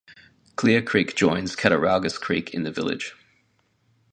Clear Creek joins Cattaraugus Creek in the village.